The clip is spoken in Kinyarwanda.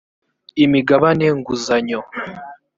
imigabane nguzanyo